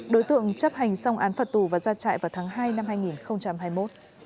đối tượng chấp hành xong án phạt tù và ra chạy vào tháng hai năm hai nghìn hai mươi một